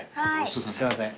すいません。